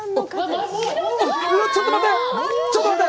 ちょっと待って！